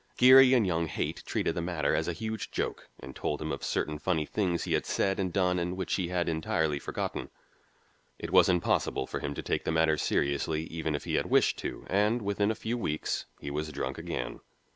Geary and young Haight treated the matter as a huge joke and told him of certain funny things he had said and done and which he had entirely forgotten. It was impossible for him to take the matter seriously even if he had wished to, and within a few weeks he was drunk again.